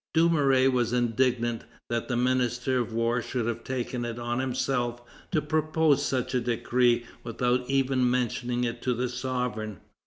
Dumouriez was indignant that the Minister of War should have taken it on himself to propose such a decree without even mentioning it to the sovereign.